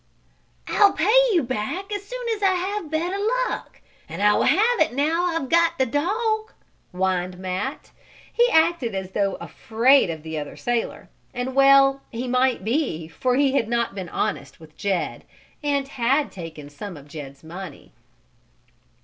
"I'll pay you back as soon as I have better luck, and I will have it now I've got the dog," whined Matt. He acted as though afraid of the other sailor, and well he might be for he had not been honest with Jed, and had taken some of Jed's money.